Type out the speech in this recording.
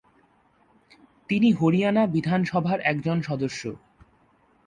তিনি হরিয়ানা বিধানসভার একজন সদস্য।